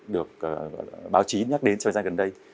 được báo chí nhắc đến thời gian gần đây